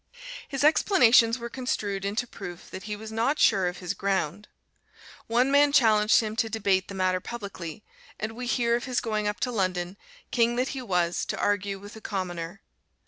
His explanations were construed into proof that he was not sure of his ground. One man challenged him to debate the matter publicly, and we hear of his going up to London, king that he was, to argue with a commoner.